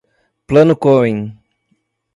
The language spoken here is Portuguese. Plano Cohen